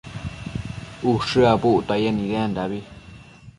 ushË abuctuaye nidendabi